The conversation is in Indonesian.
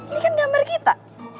ini kan gambar kita